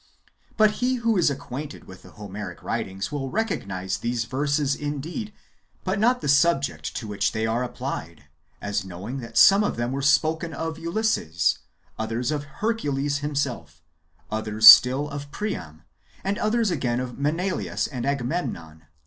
But he who is acquainted with the Homeric writings will recognise the verses indeed, but not the subject to which they are applied, as knowing that some of them were spoken of Ulysses, others of Hercules himself, others still of Priam, and others again of Menelaus and Agamemnon.